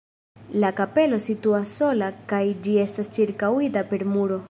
La kapelo situas sola kaj ĝi estas ĉirkaŭita per muro.